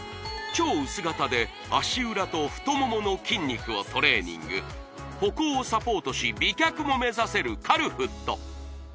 超薄型で足裏と太ももの筋肉をトレーニング歩行をサポートし美脚も目指せるカルフット